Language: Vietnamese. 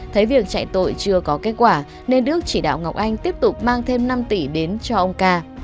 thấy việc chạy tội chưa có kết quả nên đức chỉ đạo ngọc anh tiếp tục mang thêm năm tỷ đến cho ông ca